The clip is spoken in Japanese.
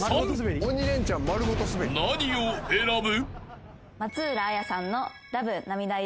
［何を選ぶ？］